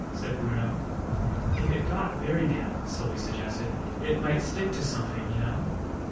said Bruno. "If it got very damp," Sylvie suggested, "it might stick to something, you know."